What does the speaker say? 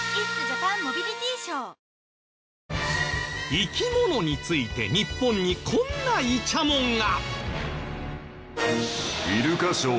生き物について日本にこんなイチャモンが。